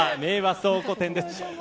倉庫店です。